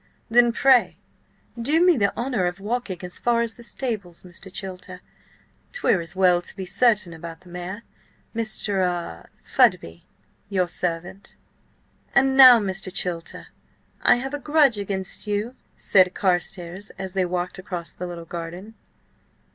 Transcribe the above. "Then pray, do me the honour of walking as far as the stables, Mr. Chilter. 'Twere as well to be certain about the mare. Mr.–ah–Fudby, your servant." "And now, Mr. Chilter, I have a grudge against you," said Carstares, as they walked across the little garden.